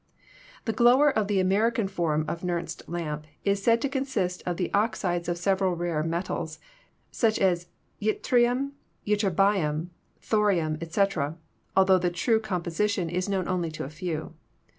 The glower of the American form of Nernst lamp is said to consist of the oxides of several rare metals, such as yttrium, ytterbium, thorium, etc., altho the true com position is known only to a few.